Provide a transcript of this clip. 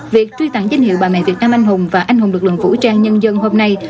việc truy tặng danh hiệu bà mẹ việt nam anh hùng và anh hùng lực lượng vũ trang nhân dân hôm nay